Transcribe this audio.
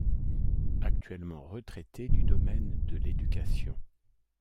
Actuellement, retraitée du domaine de l'éducation.